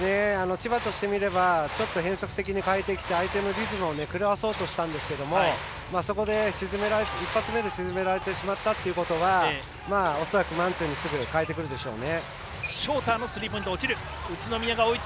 千葉としてみれば変則的に変えてきて相手のリズムを狂わそうとしたんですが一発目で沈められてしまったということは恐らく、マンツーマンにすぐ変えてくるでしょうね。